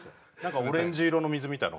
オレンジ色の水みたいな。